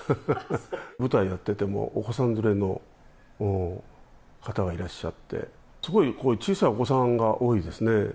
舞台やってても、お子さん連れの方がいらっしゃって、すごい小さいお子さんが多いですね。